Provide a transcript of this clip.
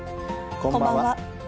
こんばんは。